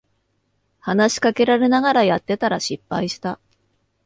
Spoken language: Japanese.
話しかけられながらやってたら失敗した